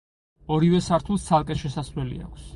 ორივე სართულს ცალკე შესასვლელი აქვს.